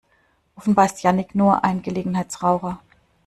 Offenbar ist Jannick nur ein Gelegenheitsraucher.